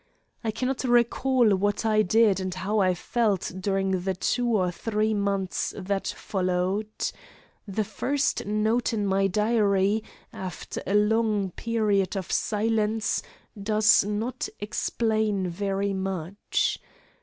I cannot recall what I did and how I felt during the two or three months that followed. The first note in my diary after a long period of silence does not explain very much.